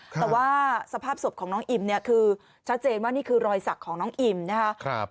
แต่ว่าสภาพศพของน้องอิมเนี่ยคือชัดเจนว่านี่คือรอยสักของน้องอิ่มนะครับ